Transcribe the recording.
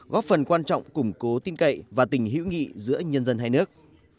góp phần quan trọng củng cố tin cậy và tình hữu nghị giữa nhân dân hai nước